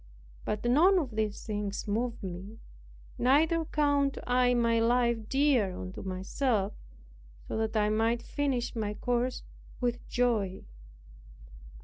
But none of these things move me; neither count I my life dear unto myself, so that I might finish my course with joy."